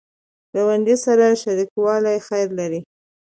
ګاونډي سره شریکوالی خیر لري